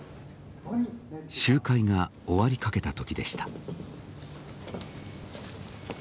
集会が終わりかけた時でした。